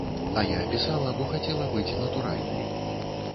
А я пісала, бо хацела быць натуральнай.